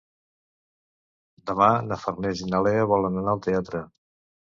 Demà na Farners i na Lea volen anar al teatre.